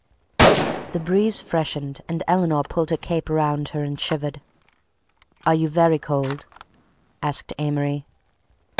The breeze freshened and Eleanor pulled her cape around her and shivered. "Are you very cold?" asked Amory.